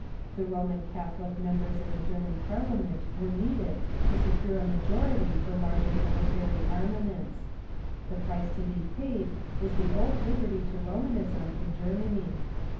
The Roman Catholic members in the German Parliament were needed to secure a majority for larger military armaments. The price to be paid was the old liberty to Romanism in Ger many.